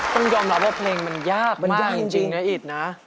ต้องยอมรับว่าเพลงมันยากมันยากจริงนะอิดนะ